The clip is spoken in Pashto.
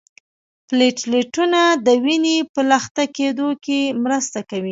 پلیټلیټونه د وینې په لخته کیدو کې مرسته کوي